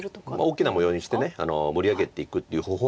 大きな模様にして盛り上げていくっていう方法はあります。